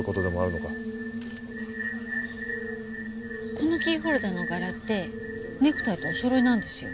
このキーホルダーの柄ってネクタイとお揃いなんですよ。